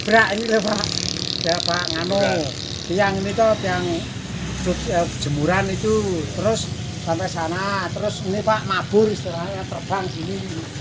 yang ini tuh yang jemuran itu terus sampai sana terus ini pak mabur terbang sini